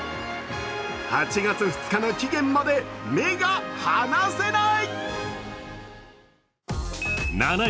８月２日の期限まで目が離せない！